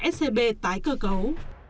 scb tái cơ cấu